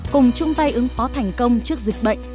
cùng chung tay ứng phó thành công trước dịch bệnh